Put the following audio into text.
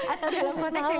atau dalam konteks yang